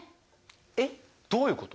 えっどういうこと？